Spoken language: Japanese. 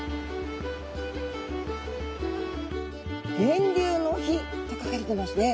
「源流の碑」って書かれてますね。